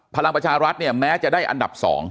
ภารังประชารัฐแม้จะได้อันดับสอง